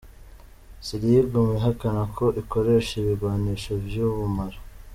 Syria iguma ihakana ko ikoresha ibigwanisho vy'ubumara.